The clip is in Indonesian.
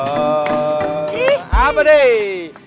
oh apa deh